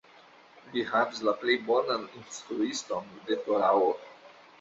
Li havis la plej bonan instruiston de Torao.